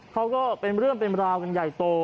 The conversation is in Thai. เขาก็เป็นเรื่องเป็นราวอย่ายโต